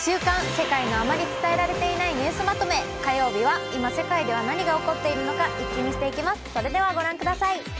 世界のあまり伝えられていないニュースまとめ」火曜日は今世界では何が起こっているのか一気見していきます。